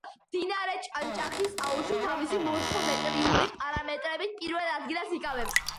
მდინარე ჭანჭახის აუზში თავისი მორფომეტრიული პარამეტრებით პირველ ადგილს იკავებს.